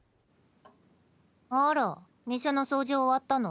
あら店の掃除終わったの？